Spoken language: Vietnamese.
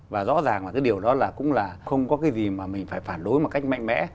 và rõ ràng là cái điều đó là cũng là không có cái gì mà mình phải phản đối một cách mạnh mẽ